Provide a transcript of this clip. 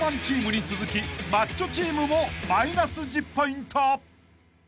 ［ＳｎｏｗＭａｎチームに続きマッチョチームもマイナス１０ポイント］